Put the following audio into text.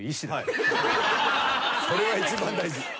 それは一番大事。